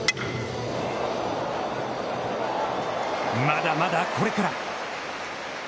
まだまだこれから。